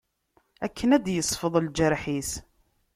Akken ad d-yesfeḍ lğerḥ-is.